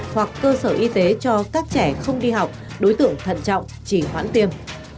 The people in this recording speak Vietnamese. hoặc cơ sở y tế cho các trẻ không đi học đối tượng thận trọng chỉ hoãn tiêm